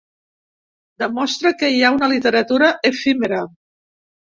Demostra que hi ha una literatura efímera.